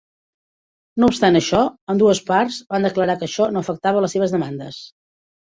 No obstant això, ambdues parts van declarar que això no afectava les seves demandes.